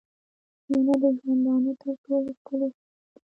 • مینه د ژوندانه تر ټولو ښکلی احساس دی.